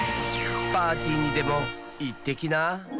パーティーにでもいってきな。